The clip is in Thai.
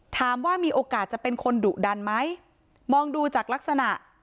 ถามว่ามีโอกาสจะเป็นคนดุดันไหมมองดูจากลักษณะ